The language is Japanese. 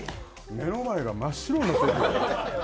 目の前が真っ白になった。